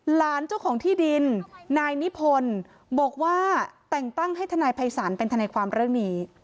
เจ้าของที่ดินนายนิพนธ์บอกว่าแต่งตั้งให้ทนายภัยศาลเป็นทนายความเรื่องนี้